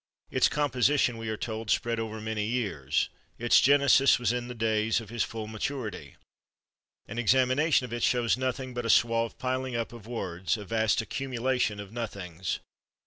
Its composition, we are told, spread over many years; its genesis was in the days of his full maturity. An examination of it shows nothing but a suave piling up of words, a vast accumulation of nothings.